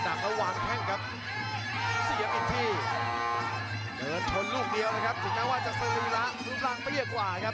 ที่เดินทนลูกเดียวนะครับถึงแม้ว่าจะซื้อลูกล่างไม่เยอะกว่านะครับ